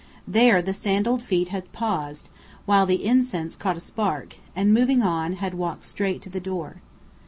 There the sandalled feet had paused, while the incense caught a spark, and moving on, had walked straight to the door.